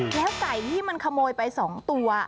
แล้วไก่ที่มันขโมยไป๒ตัว